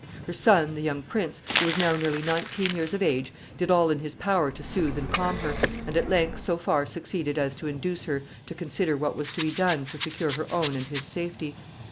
Her son, the young prince, who was now nearly nineteen years of age, did all in his power to soothe and calm her, and at length so far succeeded as to induce her to consider what was to be done to secure her own and his safety.